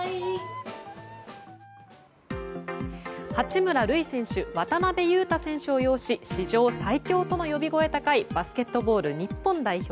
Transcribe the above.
八村塁選手、渡邊雄太選手を擁し史上最強との呼び声高いバスケットボール日本代表。